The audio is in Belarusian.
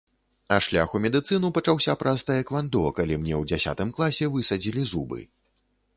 А шлях у медыцыну пачаўся праз таэквандо, калі мне ў дзясятым класе высадзілі зубы.